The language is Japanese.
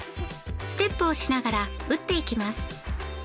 ステップをしながら打っていきます。